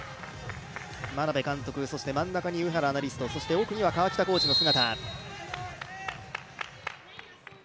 眞鍋監督、真ん中に上原アナリストそして奥には川北コーチの姿。